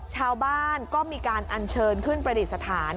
ชาวบ้านก็มีการอัญเชิญขึ้นประดิษฐาน